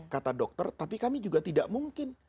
kata dokter tapi kami juga tidak mungkin